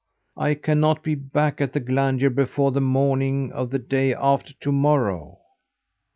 I cannot be back at the Glandier before the morning of the day after to morrow.